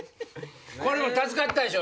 これも助かったでしょ？